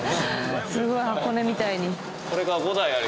すごい箱根みたいに。